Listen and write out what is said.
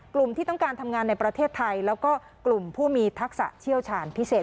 ที่ต้องการทำงานในประเทศไทยแล้วก็กลุ่มผู้มีทักษะเชี่ยวชาญพิเศษ